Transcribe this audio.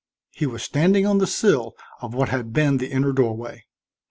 He was standing on the sill of what had been the inner doorway.